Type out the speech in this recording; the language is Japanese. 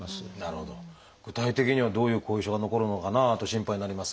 具体的にはどういう後遺症が残るのかなと心配になりますが。